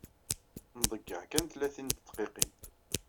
Nḍeyyeɛ kan tlatin n tedqiqin.